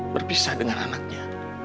berpisah dengan anaknya